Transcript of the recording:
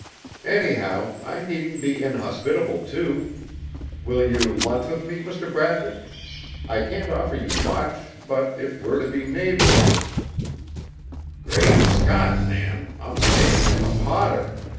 "Anyhow, I needn't be inhospitable too. Will you lunch with me, Mr. Bradley? I can't offer you much, but if we're to be neighbors " "Great Scott, man, I'm staying at the Potter!"